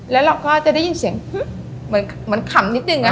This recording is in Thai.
แล้วเราก็จะได้ยินเสียงเหมือนเหมือนขำนิดหนึ่งอ่ะฮะ